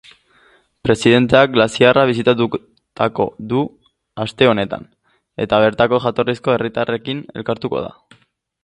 Presidenteak glaziarra bisitatuko du aste honetan, eta bertako jatorrizko herritarrekin elkartuko da.